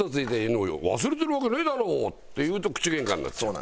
「忘れてるわけねえだろ！」って言うと口喧嘩になっちゃう。